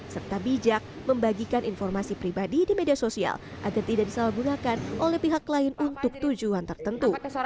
serta bijak membagikan informasi pribadi di media sosial agar tidak disalahgunakan oleh pihak lain untuk tujuan tertentu